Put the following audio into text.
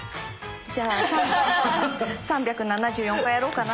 じゃあ３７４回やろうかな。